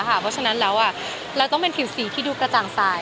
เพราะฉะนั้นแล้วเราต้องเป็นผิวสีที่ดูกระจ่างสาย